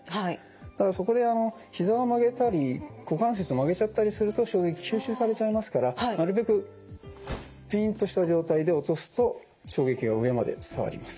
ただそこでひざを曲げたり股関節を曲げちゃったりすると衝撃吸収されちゃいますからなるべくピンとした状態で落とすと衝撃が上まで伝わります。